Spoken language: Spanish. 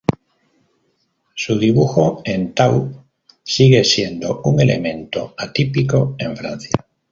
Su dibujo en tau sigue siendo un elemento atípico en Francia.